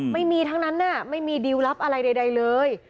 ไม่มีทั้งนั้นไม่มีดิวลลับอะไรใดเลย